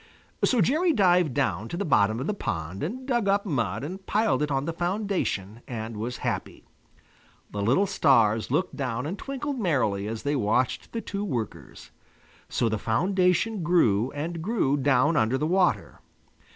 So Jerry dived down to the bottom of the pond and dug up mud and piled it on the foundation and was happy. The little stars looked down and twinkled merrily as they watched the two workers. So the foundation grew and grew down under the water.